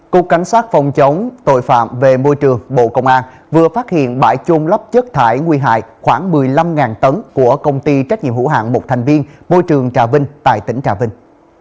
cục cảnh sát phòng chống tội phạm về môi trường bộ công an vừa phát hiện bãi chôn lấp chất thải nguy hại khoảng một mươi năm tấn của công ty trách nhiệm hữu hạng một thành viên môi trường trà vinh tại tỉnh trà vinh